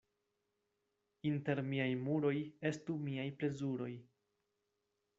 Inter miaj muroj estu miaj plezuroj.